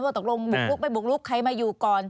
ตกลงบุกลุกไม่บุกลุกใครมาอยู่ก่อน